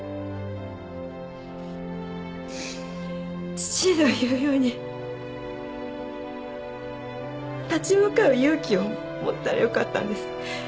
父の言うように立ち向かう勇気を持ったらよかったんです。